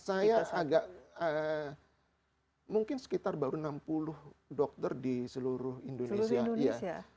saya agak mungkin sekitar baru enam puluh dokter di seluruh indonesia